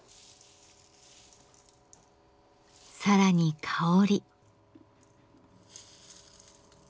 更に香り。